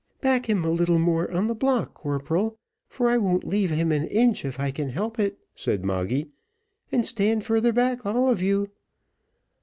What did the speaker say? "Back him a little more on the block, corporal, for I won't leave him an inch if I can help it," said Moggy; "and stand farther back, all of you."